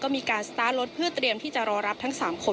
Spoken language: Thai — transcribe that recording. มีการสตาร์ทรถเพื่อเตรียมที่จะรอรับทั้ง๓คน